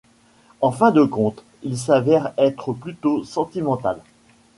En fin de compte, il s'avère être plutôt sentimental.